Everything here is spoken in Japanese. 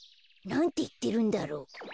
なんていってるんだろう？